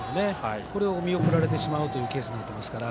これを見送られてしまうというケースになってますから。